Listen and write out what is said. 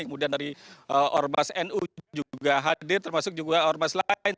kemudian dari ormas nu juga hadir termasuk juga ormas lain